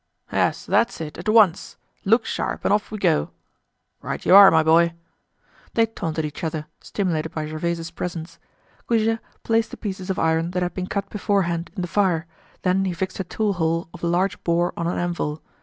"Yes, that's it, at once. Look sharp and off we go!" "Right you are, my boy!" They taunted each other, stimulated by Gervaise's presence. Goujet placed the pieces of iron that had been cut beforehand in the fire, then he fixed a tool hole of large bore on an anvil.